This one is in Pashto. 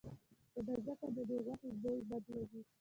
په ده ځکه ددې غوښې بوی بد لګي.